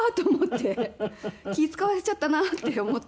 気ぃ使われちゃったなって思って。